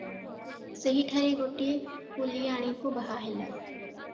ସେହିଠାରେ ଗୋଟିଏ କୁଲିଆଣୀକୁ ବାହା ହେଲା ।